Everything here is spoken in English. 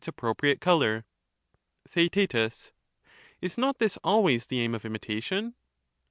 ^^ appropriate colour. Theaet Is not this always the aim of imitation